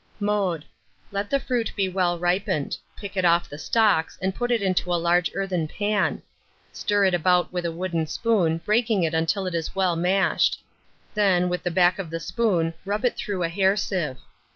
Mode. Let the fruit be well ripened; pick it off the stalks, and put it into a large earthen pan. Stir it about with a wooden spoon, breaking it until it is well mashed; then, with the back of the spoon, rub it through a hair sieve.